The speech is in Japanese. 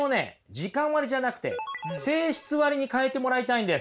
時間割じゃなくて性質割に変えてもらいたいんです。